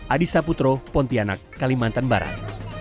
adisa putro pontianak kalimantan barat